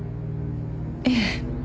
ええ。